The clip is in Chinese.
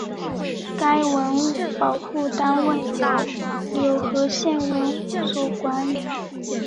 该文物保护单位由柳河县文管所管理。